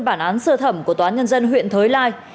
bản án sơ thẩm của tòa nhân dân huyện thới lai